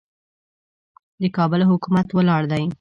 د کابل حکومت ولاړ دی.